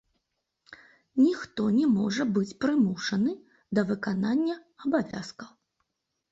Ніхто не можа быць прымушаны да выканання абавязкаў.